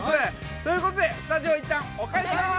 ということで、スタジオに一旦お返しします。